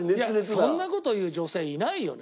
そんな事言う女性いないよね。